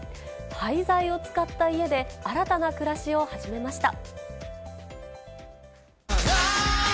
廃材を使った家で、新たな暮らしを始めました。